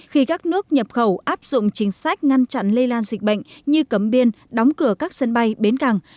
khi các nước nhập khẩu áp dụng chính sách ngăn chặn lây lan dịch bệnh như cấm biên đóng cửa các sân bay bến càng